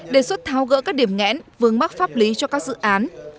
đề xuất tháo gỡ các điểm nghẽn vương mắc pháp lý cho các dự án